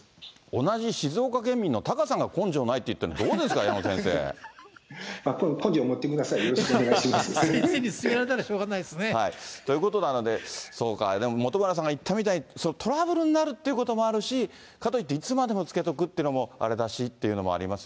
同じ静岡県民のタカさんが、根性ないって言ってるの、どうですか、根性持ってください、よろし先生に勧められたらしょうがということなので、そうか、でも、本村さんが言ったみたいに、トラブルになるっていうこともあるし、かといって、いつまでも着けておくっていうのも、あれだしっていうのもありま